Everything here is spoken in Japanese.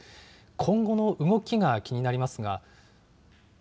今後の動きが気になりますが。